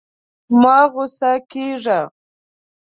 مه غوسه کېږه!